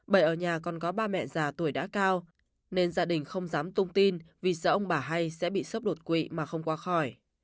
bởi ở nhà còn có ba mẹ già tuổi đã cao nên gia đình không dám tung tin vì sợ ông bà hay sẽ bị sốc đột quỵ mà không qua khỏi